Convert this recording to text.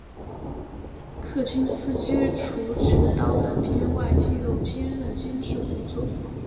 柯金斯基除执导本片外又兼任监制工作。